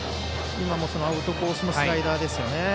今もアウトコースのスライダーですよね。